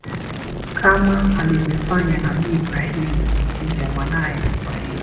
Kama alivyofanya nabii Ibrahim kumchinja mwanae Ismail